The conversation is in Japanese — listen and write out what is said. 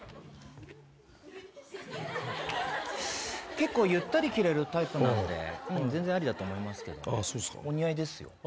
結構、ゆったり着れるタイプなので、全然ありだと思いますけどね。